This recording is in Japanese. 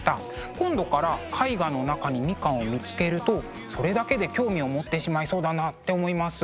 今度から絵画の中にみかんを見つけるとそれだけで興味を持ってしまいそうだなって思います。